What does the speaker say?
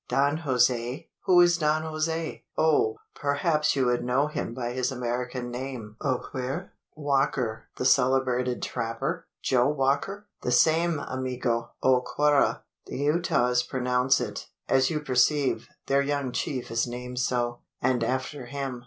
"Don Jose who is Don Jose?" "Oh! perhaps you would know him by his American name Oaquer?" "Walker, the celebrated trapper? Joe Walker?" "The same, amigo. Oaquara, the Utahs pronounce it. As you perceive, their young chief is named so, and after him.